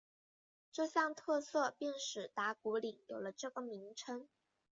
这项特色便使打鼓岭有了这个名称。